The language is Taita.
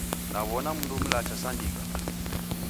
Naw'ona mundu mlacha sa ndigha